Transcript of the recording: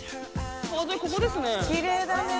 ここですね。